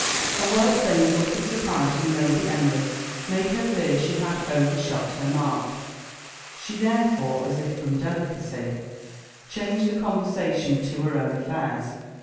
A well feigned look of surprise from Lady Emily made her fear she had overshot her mark; she therefore, as if from delicacy, changed the conversation to her own affairs.